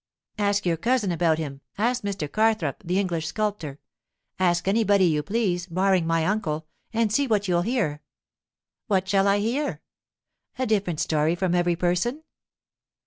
'Ask your cousin about him. Ask Mr. Carthrope, the English sculptor. Ask anybody you please—barring my uncle—and see what you'll hear.' 'What shall I hear?' 'A different story from every person.